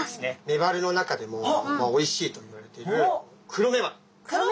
メバルの中でもおいしいといわれているクロメバル！